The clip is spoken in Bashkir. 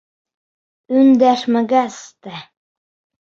Өндәшмәгәс тә!